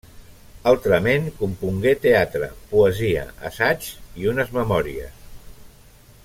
Altrament, compongué teatre, poesia, assaigs i unes memòries.